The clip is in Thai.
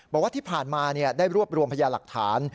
บอกว่าที่ผ่านมาได้รวบรวมพยาหลักฐาน